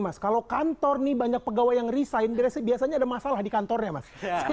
mas kalau kantor nih banyak pegawai yang risain biasa biasanya ada masalah di kantor ya mas